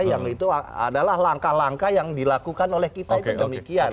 yang itu adalah langkah langkah yang dilakukan oleh kita itu demikian